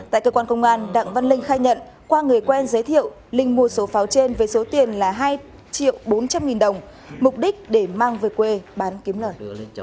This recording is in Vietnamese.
tại cơ quan công an đặng văn linh khai nhận qua người quen giới thiệu linh mua số pháo trên với số tiền là hai triệu bốn trăm linh nghìn đồng mục đích để mang về quê bán kiếm lời